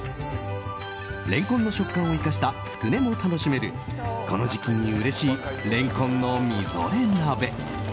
レンコンの食感を生かしたつくねも楽しめるこの時期にうれしいレンコンのみぞれ鍋。